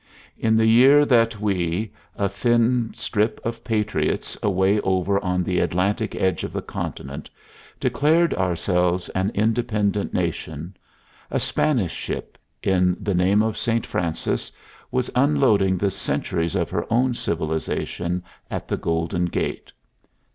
In the year that we, a thin strip of patriots away over on the Atlantic edge of the continent, declared ourselves an independent nation, a Spanish ship, in the name of Saint Francis, was unloading the centuries of her own civilization at the Golden Gate.